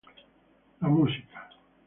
The Music.